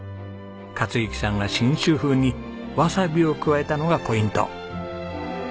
克幸さんが信州風にわさびを加えたのがポイント。